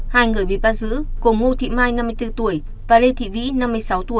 hai người bị bắt giữ gồm ngô thị mai năm mươi bốn tuổi và lê thị vĩ năm mươi sáu tuổi